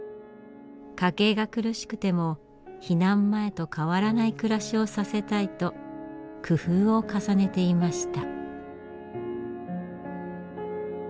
家計が苦しくても避難前と変わらない暮らしをさせたいと工夫を重ねていました。